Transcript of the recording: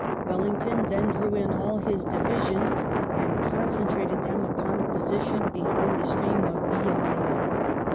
Wellington then drew in all his divisions and concen trated them upon a position behind the stream of Villa Mayor.